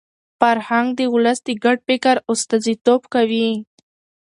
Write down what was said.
فرهنګ د ولس د ګډ فکر استازیتوب کوي.